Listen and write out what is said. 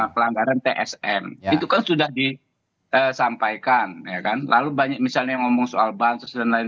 pelanggaran tsm itu kan sudah disampaikan lalu banyak misalnya ngomong soal bansos dan lain